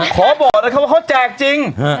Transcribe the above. ขอบอกนะครับว่าเขาแจกจริง